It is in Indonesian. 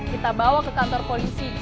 kita bawa ke kantor polisi